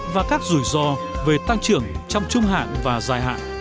và các rủi ro về tăng trưởng trong trung hạn và dài hạn